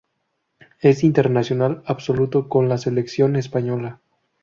Es internacional absoluto con la selección española.